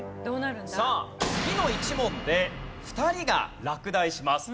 さあ次の１問で２人が落第します。